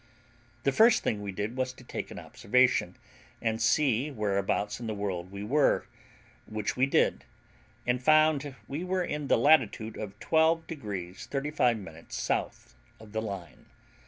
The first thing we did was to take an observation, and see whereabouts in the world we were, which we did, and found we were in the latitude of 12 degrees 35 minutes south of the line.